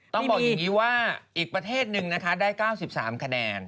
ต้องบอกอย่างนี้ว่าอีกประเทศนึงนะคะได้๙๓คะแนน